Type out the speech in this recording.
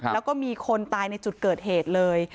แล้วก็มีคนตายในจุดเกิดเหตุเลย